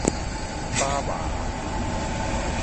打猫